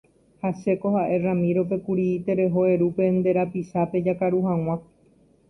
Ha chéko ha'e Ramiro-pe kuri tereho eru pe nde rapichápe jakaru hag̃ua.